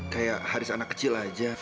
kayak haris anak kecil aja